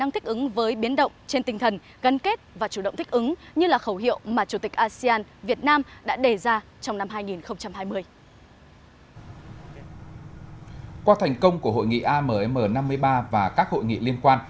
trong năm đảm nhiệm chức chủ tịch asean hai nghìn hai mươi